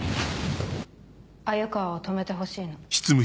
鮎川を止めてほしいの。